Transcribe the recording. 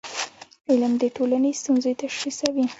علم د ټولنې ستونزې تشخیصوي.